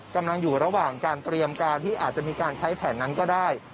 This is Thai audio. กำลังอยู่ระหว่างการเตรียมการที่อาจจะมีการใช้แผนนั้นก็ได้